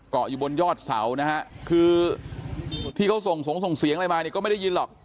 อยู่บนยอดเสานะฮะคือที่เขาส่งสงส่งเสียงอะไรมาเนี่ยก็ไม่ได้ยินหรอก